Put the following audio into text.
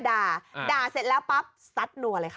ด่าด่าเสร็จแล้วปั๊บซัดนัวเลยค่ะ